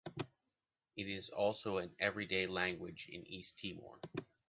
It is also an everyday language in East Timor.